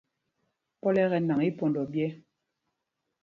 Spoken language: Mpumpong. Pɔl ɛ́ ɛ́ kɛ nǎŋ ípɔndɔ ɓyɛ̄.